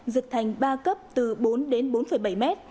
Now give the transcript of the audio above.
dựt thành ba cấp từ bốn đến bốn bảy m